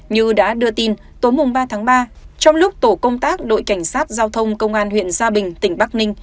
như đã đưa tin tối ba tháng ba trong lúc tổ công tác đội cảnh sát giao thông công an huyện gia bình tỉnh bắc ninh